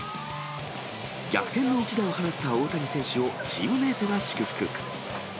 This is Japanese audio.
逆転の一打を放った大谷選手をチームメートが祝福。